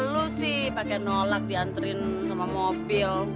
lo sih pake nolak diantrin sama mobil